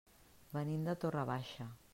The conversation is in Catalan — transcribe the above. Venim de Torre Baixa.